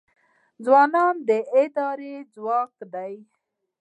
ځوانان د ادارې ځواک دی